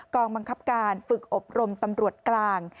กองบังคับการฝึกอบรมตำรวจกลาง